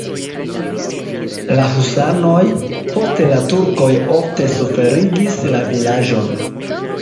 La husanoj, poste la turkoj ofte suferigis la vilaĝon.